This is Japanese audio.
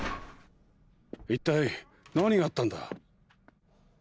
一体何があったんだ？